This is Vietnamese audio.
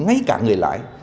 ngay cả người lái